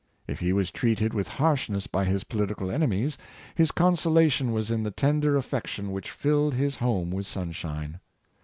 If he was treated with harshness by his political enemies, his consolation was in the tender affection which filled his home with sunshine.